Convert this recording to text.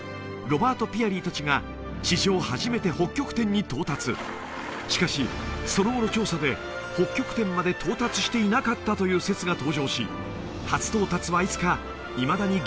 ロバート・ピアリー達が史上初めて北極点に到達しかしその後の調査で北極点まで到達していなかったという説が登場し初到達はいつかいまだに議論が交わされている